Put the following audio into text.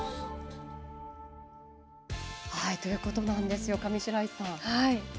ということなんです、上白石さん。